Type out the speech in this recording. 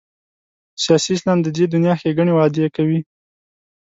سیاسي اسلام د دې دنیا ښېګڼې وعدې کوي.